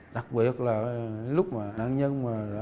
đặc biệt là lúc mà nạn nhân